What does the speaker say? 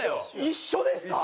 一緒ですか？